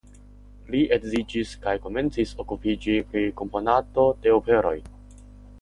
Li edziĝis kaj komencis okupiĝi pri komponado de operoj.